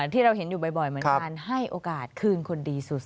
ที่เราเห็นอยู่บ่อยมันการให้โอกาสคืนคนดีสู่สังคม